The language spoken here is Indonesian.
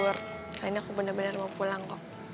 karena ini aku benar benar mau pulang kok